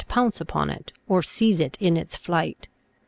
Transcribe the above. pounce upon it or seize it in its flight.